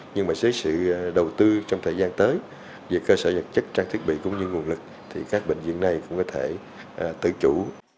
nhưng mà dưới sự đầu tư trong thời gian tới về cơ sở vật chất trang thiết bị cũng như nguồn lực thì các bệnh viện này cũng có thể tự chủ